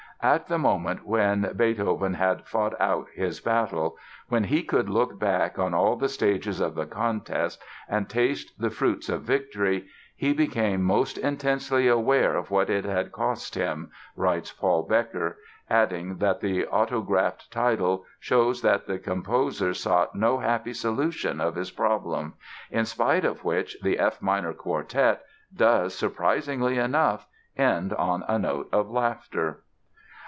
"At the moment when Beethoven had fought out his battle, when he could look back on all stages of the contest and taste the fruits of victory, he became most intensely aware of what it had cost him," writes Paul Bekker, adding that "the autographed title shows that the composer sought no happy solution of his problem"—in spite of which the F minor Quartet does, surprisingly enough, end on a note of laughter.